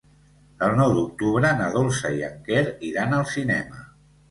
El nou d'octubre na Dolça i en Quer iran al cinema.